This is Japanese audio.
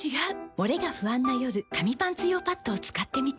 モレが不安な夜紙パンツ用パッドを使ってみた。